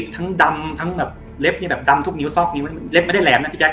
ทั้งดำทั้งแบบเล็บนี่แบบดำทุกนิ้วซอกนิ้วเล็บไม่ได้แหลมนะพี่แจ๊